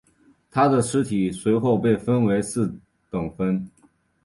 他的尸体随后被分成四等分。